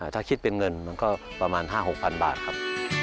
ถ้าคิดเป็นเงินมันก็ประมาณ๕๖๐๐๐บาทครับ